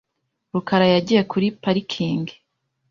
rukara yagiye kuri parikingi .